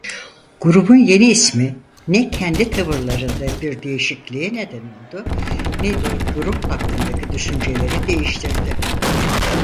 Grubun yeni ismi ne kendi tavırlarında bir değişikliğe neden oldu ne de grup hakkındaki düşünceleri değiştirdi.